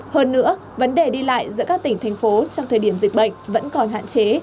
hơn nữa vấn đề đi lại giữa các tỉnh thành phố trong thời điểm dịch bệnh vẫn còn hạn chế